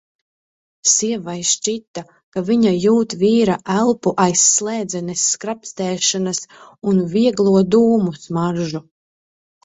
Sievai šķita, ka viņa jūt vīra elpu aiz slēdzenes skrapstēšanas un vieglo dūmu smaržu.